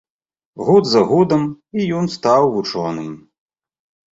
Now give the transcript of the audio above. Год за годам, і ён стаў вучоным.